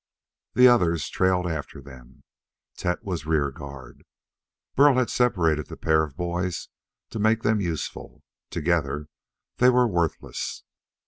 The others trailed after them. Tet was rear guard. Burl had separated the pair of boys to make them useful. Together they were worthless.